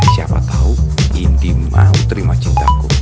siapa tau ini mau terima cintaku